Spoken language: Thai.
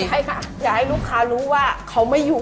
ใช่ค่ะอยากให้ลูกค้ารู้ว่าเขาไม่อยู่